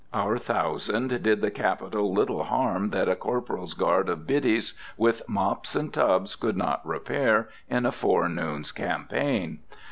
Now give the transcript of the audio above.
Our thousand did the Capitol little harm that a corporal's guard of Biddies with mops and tubs could not repair in a forenoon's campaign.